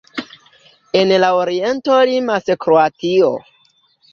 En la oriento limas Kroatio.